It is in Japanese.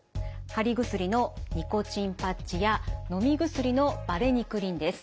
貼り薬のニコチンパッチやのみ薬のバレニクリンです。